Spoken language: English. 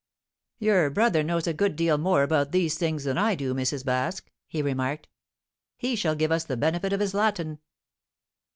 "Your brother knows a good deal more about these things than I do, Mrs. Baske," he remarked. "He shall give us the benefit of his Latin."